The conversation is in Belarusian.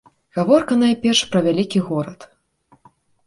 Гаворка найперш пра вялікі горад.